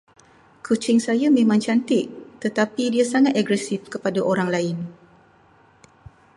Kucing saya memang cantik tertapi dia sangat agresif kepada orang lain.